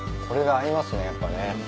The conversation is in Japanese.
これが合いますねやっぱね。